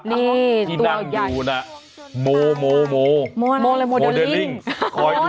นี่ตัวใหญ่นั่งดูนะโมโมเดอลิ่งคอยดูแล